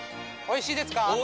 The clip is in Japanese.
おいしいですか？